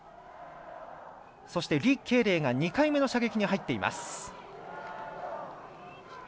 そして、李慧玲が２回目の射撃に入っています。